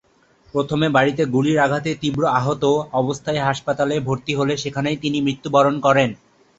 প্রথমে বাড়িতে গুলির আঘাতে তীব্র আহত অবস্থায় হাসপাতালে ভর্তি হলে সেখানেই তিনি মৃত্যুবরণ করেন।